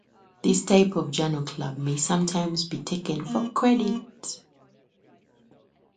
This type of journal club may sometimes be taken for credit.